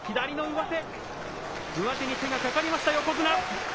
上手に手がかかりました、横綱。